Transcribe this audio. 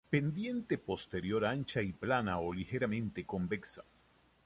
Pendiente posterior ancha y plana o ligeramente convexa.